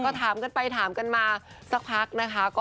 ก็ถามกันไปถามกันมาสักพักนะคะ